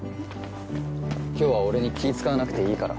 今日は俺に気ぃ使わなくていいから。